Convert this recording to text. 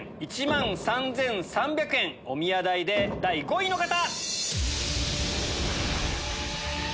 １万３３００円おみや代で第５位の方！